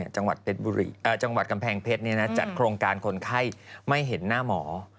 จังหวัดกำแพงเพชรจัดโครงการคนไข้ไม่เห็นหน้าหมอ